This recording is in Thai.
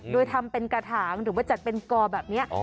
โดยทำเป็นกระถางหรือว่าจัดเป็นกอแบบนี้